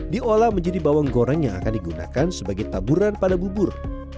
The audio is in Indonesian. diolah menjadi bawang goreng yang akan digunakan sebagai taburan pada bubur